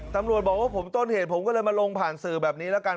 ตำรวจบอกว่าผมต้นเหตุผมก็เลยมาลงผ่านสื่อแบบนี้แล้วกัน